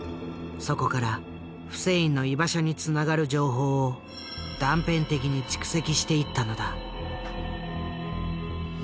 そこからフセインの居場所につながる情報を断片的に蓄積していったのだ。